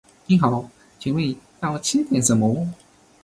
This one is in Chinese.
您好，请问要吃点什么？